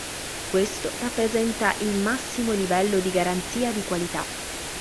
Questo rappresenta il massimo livello di garanzia di qualità.